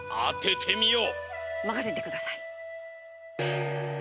まかせてください！